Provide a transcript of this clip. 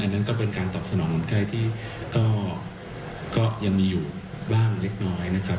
นั่นก็เป็นการตอบสนองคนไข้ที่ก็ยังมีอยู่บ้างเล็กน้อยนะครับ